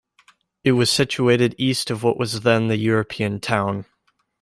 It was situated east of what was then the European Town.